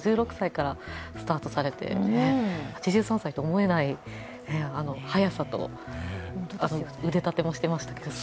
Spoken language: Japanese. ５６歳からスタートされて８３歳と思えない速さと、腕立てもしてましたけど。